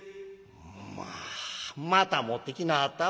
「まあまた持ってきなはったわ。